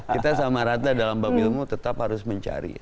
kita sama rata dalam babilmu tetap harus mencari